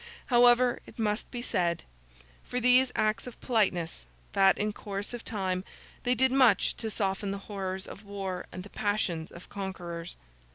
However, it must be said, for these acts of politeness, that, in course of time, they did much to soften the horrors of war and the passions of conquerors.